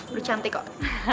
beru cantik kok